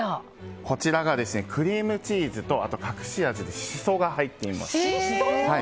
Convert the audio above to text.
こちらがクリームチーズと隠し味でシソが入っています。